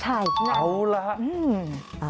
ใช่เอาล่ะ